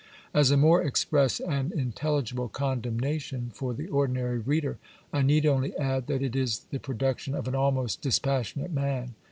As a more express and intelligible condemnation for the ordinary reader, I need only add that it is the production of an almost dispassionate man.